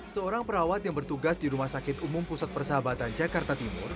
seorang perawat yang bertugas di rumah sakit umum pusat persahabatan jakarta timur